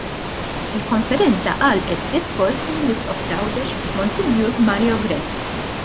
Il-konferenza għalqet b'diskors mill-Isqof ta' Għawdex Mons. Mario Grech.